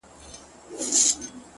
هره لحظه د ارزښت وړ ده